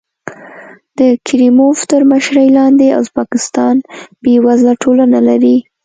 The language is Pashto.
د کریموف تر مشرۍ لاندې ازبکستان بېوزله ټولنه لري.